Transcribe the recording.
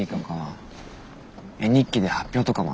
絵日記で発表とかもあって。